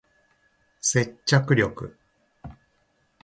接着力